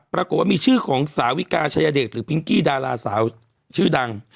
ปรากฏว่ามีชื่อของสาวิกาชายเดชหรือพิงกี้ดาราสาวชื่อดัง